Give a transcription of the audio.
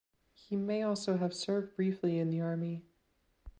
He may also have served briefly in the army.